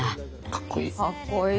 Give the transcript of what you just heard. かっこいい。